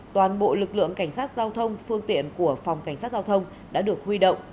toàn bộ lực lượng cảnh sát giao thông phương tiện của phòng cảnh sát giao thông đã được huy động